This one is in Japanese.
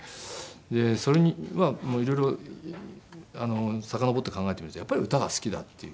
それは色々さかのぼって考えてみるとやっぱり歌が好きだっていう。